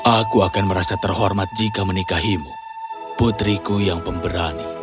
aku akan merasa terhormat jika menikahimu putriku yang pemberani